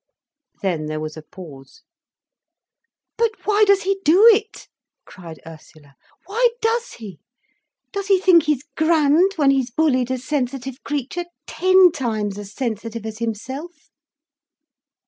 Then there was a pause. "But why does he do it?" cried Ursula, "why does he? Does he think he's grand, when he's bullied a sensitive creature, ten times as sensitive as himself?"